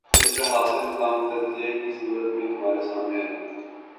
اس کا حاصل خام تجزیے کی صورت میں ہمارے سامنے ہے۔